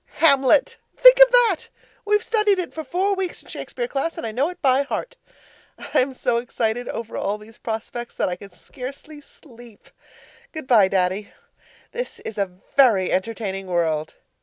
Hamlet. Think of that! We studied it for four weeks in Shakespeare class and I know it by heart. I am so excited over all these prospects that I can scarcely sleep. Goodbye, Daddy. This is a very entertaining world.